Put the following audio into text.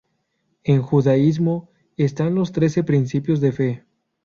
En judaísmo, están los Trece principios de fe.